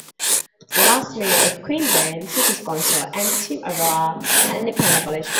The last Mayor of the Queanbeyan City Council was Tim Overall, an independent politician.